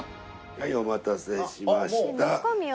はいお待たせしました。